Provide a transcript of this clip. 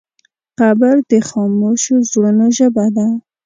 قبر د خاموشو زړونو ژبه ده.